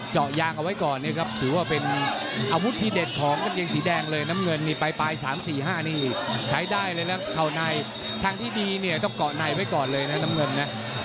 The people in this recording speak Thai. จอดยางเอาไว้ก่อนถือว่าเป็นอาวุธที่เด็ดของกางเกงสีแดงเลยน้ำเงินไป๓๔๕นี่ใช้ได้เลยนะเข้าในทางที่ดีก็เกาะในไว้ก่อนเลยนะน้ำเงิน